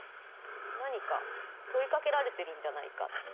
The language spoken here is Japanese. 何か問いかけられてるんじゃないかって。